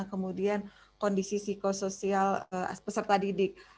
kemudian kondisi psikosoial peserta didik